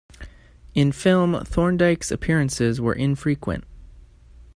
In film, Thorndike's appearances were infrequent.